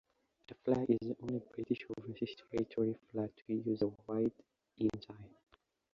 The flag is the only British Overseas Territory flag to use the white ensign.